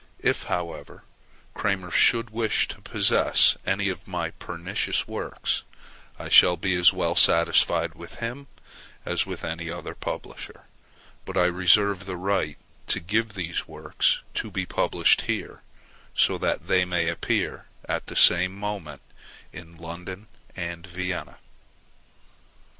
If, however, Cramer should wish to possess any of my pernicious works, I shall be as well satisfied with him as with any other publisher; but I reserve the right to give these works to be published here, so that they may appear at the same moment in London and Vienna.